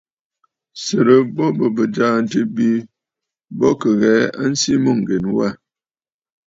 Sɨrɨ bo bɨ̀ bɨ̀jààntə̂ bi bɔ kì ghɛ̀ɛ a nsìʼi mûŋgèn wâ.